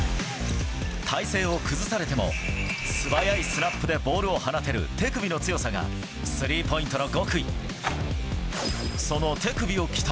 体勢を崩されても、素早いスナップでボールを放てる手首の強さがスリーポイントの極意。